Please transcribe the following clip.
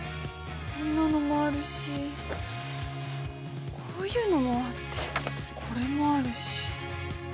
こんなのもあるしこういうのもあってこれもあるし。